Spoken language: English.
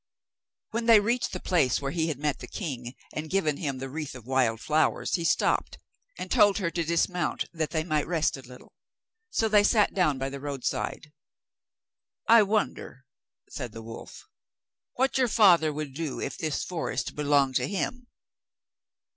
When they reached the place where he had met the king and given him the wreath of wild flowers, he stopped, and told her to dismount that they might rest a little. So they sat down by the roadside. 'I wonder,' said the wolf, 'what your father would do if this forest belonged to him?